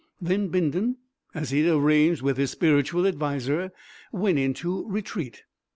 Then Bindon, as he had arranged with his spiritual adviser, went into retreat.